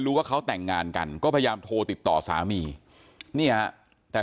ว่าเขาแต่งงานกันก็พยายามโทรติดต่อสามีเนี่ยแต่